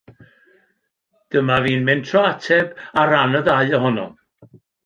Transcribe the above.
Dyma fi'n mentro ateb ar ran y ddau ohonom.